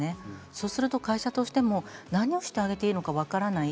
そうすると会社としても何をしてあげていいか分からない。